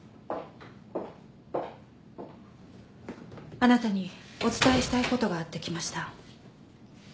・あなたにお伝えしたいことがあって来ました。